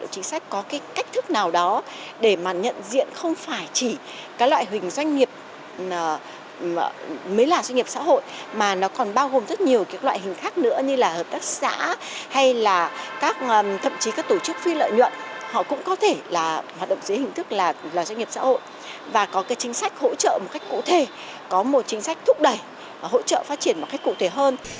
và có các chính sách hỗ trợ một cách cụ thể có một chính sách thúc đẩy và hỗ trợ phát triển một cách cụ thể hơn